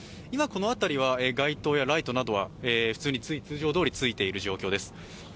今この辺りは街灯やライトなどは通常どおりついている状況です。